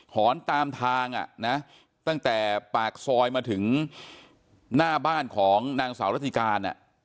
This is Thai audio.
หอนตามทางตั้งแต่ปากซอยมาถึงหน้าบ้านของนางสาวรัติการ